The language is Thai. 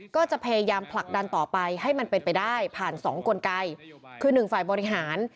ก็จะพยายามผลักดันต่อไปให้มันเป็นไปได้ผ่านสองกลไกคือหนึ่งฝ่ายบริหาร